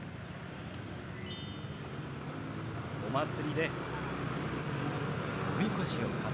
お祭りでおみこしを担ぐんだ。